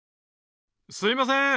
すいません！